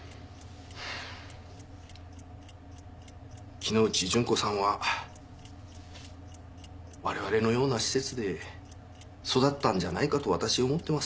木之内順子さんは我々のような施設で育ったんじゃないかと私思っています。